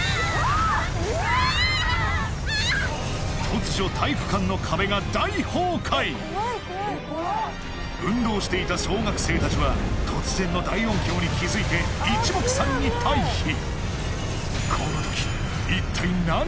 突如体育館の壁が大崩壊運動していた小学生たちは突然の大音響に気づいて一目散に退避